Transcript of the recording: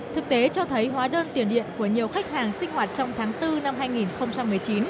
thực tế cho thấy hóa đơn tiền điện của nhiều khách hàng sinh hoạt trong tháng bốn năm hai nghìn một mươi chín